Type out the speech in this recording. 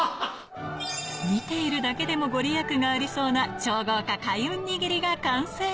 見ているだけでも御利益がありそうな超豪華開運握りが完成